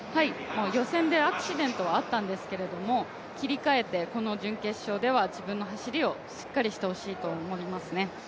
予選でアクシデントはあったんですけれども、切り替えて、準決勝では自分の走りをしっかりしてほしいと思いますね。